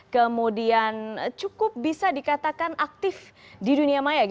kemudian cukup bisa dikatakan aktif di dunia maya